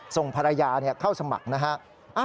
ส่งภรรยาเข้าสมัครนะฮะ